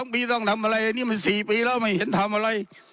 ปีต้องทำอะไรอันนี้มัน๔ปีแล้วไม่เห็นทำอะไร